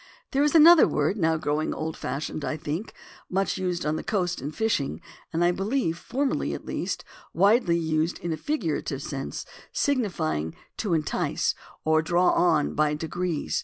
There is another word, now growing old fashioned, I think, much used on the coast in fishing, and I be lieve, formerly at least, widely used in a figurative sense, signifying to entice, or to draw on by degrees.